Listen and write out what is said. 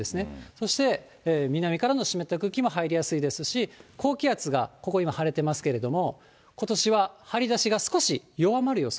そして南からの湿った空気も入りやすいですし、高気圧がここ今、晴れてますけれども、ことしは張り出しが少し弱まる予想。